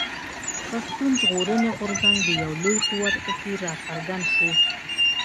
پښتون ژغورني غورځنګ د يو لوی قوت په څېر راڅرګند شو.